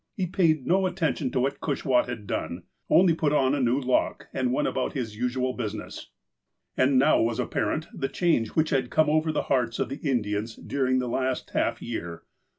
He paid no attention to what Cushwaht had done. Only put on a new lock, and went about his usual business. And now was apparent the change which had come over the hearts of the Indians during the last half year.